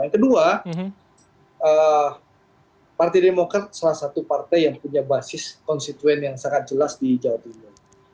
yang kedua partai demokrat salah satu partai yang punya basis konstituen yang sangat jelas di jawa timur